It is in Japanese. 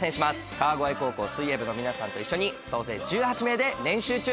川越高校水泳部の皆さんと一緒に総勢１８名で練習中です！